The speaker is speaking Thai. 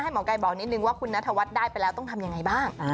ให้หมอไกรบอกนิดนึงว่าคุณณัฐวัตรได้ไปแล้วต้องทำอย่างไรบ้าง